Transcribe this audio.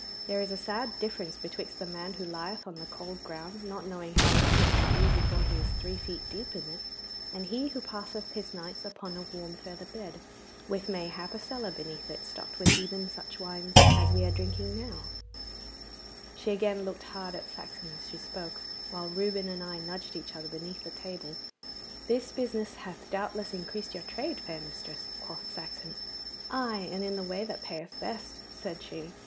There is a sad difference betwixt the man who lieth on the cold ground, not knowing how long it may be before he is three feet deep in it, and he who passeth his nights upon a warm feather bed, with mayhap a cellar beneath it stocked with even such wines as we are now drinking.' She again looked hard at Saxon as she spoke, while Reuben and I nudged each other beneath the table. 'This business hath doubtless increased your trade, fair mistress,' quoth Saxon. 'Aye, and in the way that payeth best,' said she.